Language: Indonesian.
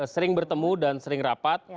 sering bertemu dan sering rapat